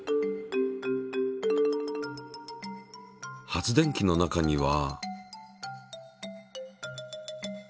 発電機の中には。